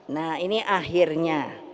nah ini akhirnya